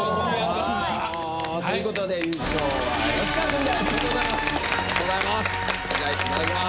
ありがとうございます。